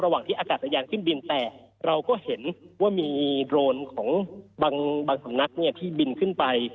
ที่อากาศยานขึ้นบินแต่เราก็เห็นว่ามีโดรนของบางสำนักเนี่ยที่บินขึ้นไป